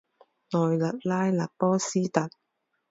内勒拉勒波斯特。